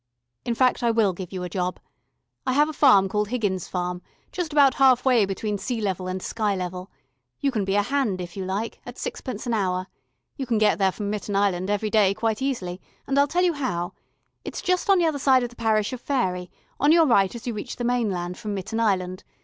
"In fact I will give you a job. I have a farm called Higgins Farm, just about half way between sea level and sky level. You can be a Hand, if you like, at sixpence an hour. You can get there from Mitten Island every day quite easily, and I'll tell you how. It's just the other side of the Parish of Faery, on your right as you reach the mainland from Mitten Island.